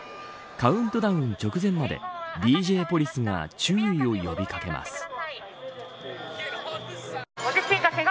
カウントダウン直前までＤＪポリスが注意を呼び掛けます。